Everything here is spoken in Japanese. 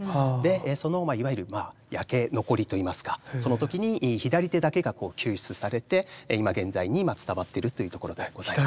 そのいわゆる焼け残りといいますかその時に左手だけが救出されて今現在に伝わっているというところでございます。